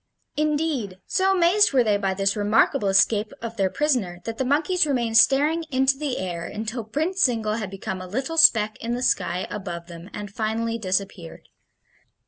Indeed, so amazed were they by this remarkable escape of their prisoner that the monkeys remained staring into the air until Prince Zingle had become a little speck in the sky above them and finally disappeared.